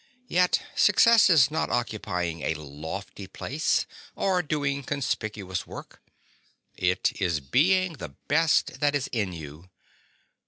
Yet success is not occupying a lofty place or doing conspicuous work; it is being the best that is in you.